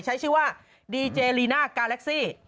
ใช้ชื่อว่าดีเจลีน่ากาแล็กซี่